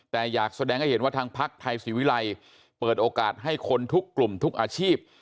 แต่อยากแสดงให้เห็นว่าทางพักไทยศรีวิรัยเปิดโอกาสให้คนทุกกลุ่มทุกอาชีพ